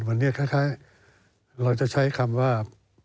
วันนี้คล้ายเราจะใช้คำว่า